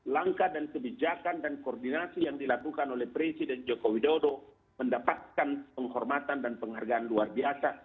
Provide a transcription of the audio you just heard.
langkah dan kebijakan dan koordinasi yang dilakukan oleh presiden joko widodo mendapatkan penghormatan dan penghargaan luar biasa